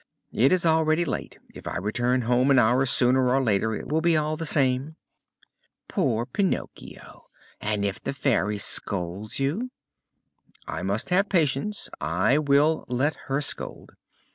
"It is already late. If I return home an hour sooner or later it will be all the same." "Poor Pinocchio! And if the Fairy scolds you?" "I must have patience! I will let her scold.